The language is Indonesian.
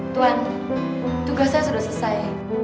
tuan tugas saya sudah selesai